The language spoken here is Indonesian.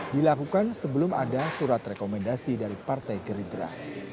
dilakukan sebelum ada surat rekomendasi dari partai gerindra